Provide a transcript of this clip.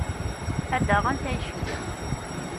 Ad d-aɣent ayefki.